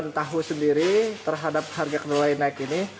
tahu sendiri terhadap harga kedelai naik ini